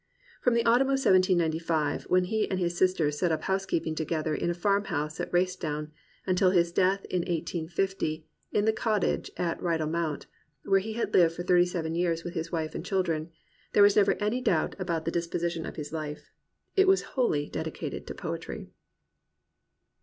From the autumn of 1795, when he and his sister set up house keeping together in a farmhouse at Racedown, until his death in 1850 in the cottage at Rydal Mount, where he had lived for thirty seven years with his wife and children, there was never any doubt about the disposition of his life. It was wholly dedicated to poetry.